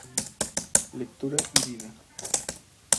Lectura y vida.